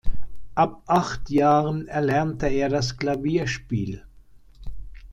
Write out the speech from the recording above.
Ab acht Jahren erlernte er das Klavierspiel.